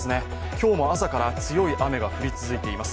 今日も朝から強い雨が降り続いています。